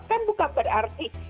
kan bukan berarti